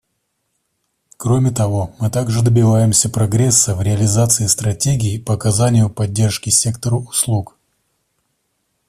Кроме того, мы также добиваемся прогресса в реализации стратегий по оказанию поддержки сектору услуг.